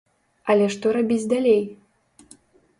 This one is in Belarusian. Але што рабіць далей?